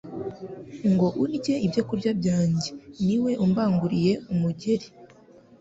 ngo " urya ibyo kurya byanjye ni we umbanguriye umugeri."